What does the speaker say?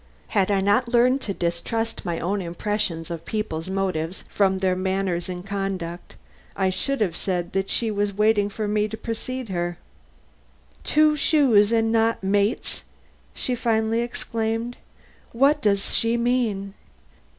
Had I not learned to distrust my own impression of people's motives from their manners and conduct, I should have said that she was waiting for me to precede her. "Two shoes and not mates!" she finally exclaimed. "What does she mean?"